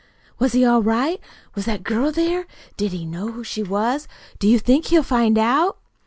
"Was he all right? Was that girl there? Did he know who she was? Do you think he'll find out?"